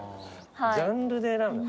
ジャンルで選ぶな。